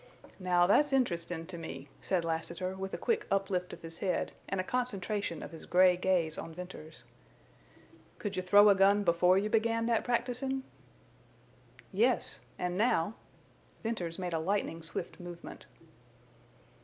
"Now that's interestin' to me," said Lassiter, with a quick uplift of his head and a concentration of his gray gaze on Venters. "Could you throw a gun before you began that practisin'?" "Yes. And now..." Venters made a lightning swift movement.